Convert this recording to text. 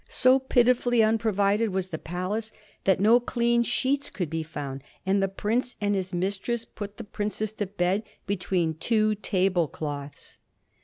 So pitifully unprovided was the palace that no clean sheets could be found, and the prince and his mistress put the princess to bed between two table cloths.